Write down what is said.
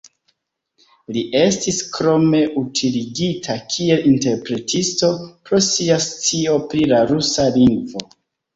Li estis krome utiligita kiel interpretisto pro sia scio pri la rusa lingvo.